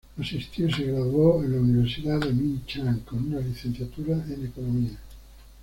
Asistió y se graduó de la Universidad Ming Chuan con una licenciatura en economía.